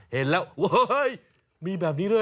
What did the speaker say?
เห็นแล้วโอ้เฮ้ยมีแบบนี้ด้วยเหรอ